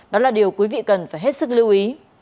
đó là điều quý vị cần phải hết sức lưu ý